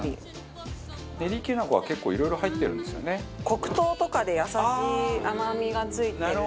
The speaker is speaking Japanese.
黒糖とかで優しい甘みが付いてるので。